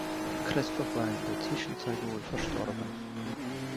Christoph war in der Zwischenzeit wohl verstorben.